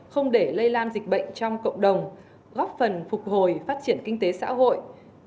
không để lây lan dịch bệnh trong cộng đồng góp phần phục hồi phát triển kinh tế xã hội